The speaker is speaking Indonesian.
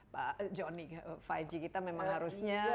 pak joni lima g kita memang harusnya